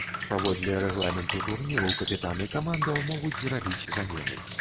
Паводле рэгламенту турніру капітаны камандаў могуць зрабіць замены.